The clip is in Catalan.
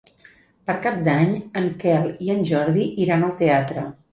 Per Cap d'Any en Quel i en Jordi iran al teatre.